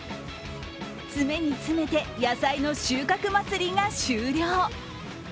詰めに詰めて野菜の収穫祭りが終了。